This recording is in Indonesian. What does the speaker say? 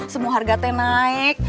semua harga teh naik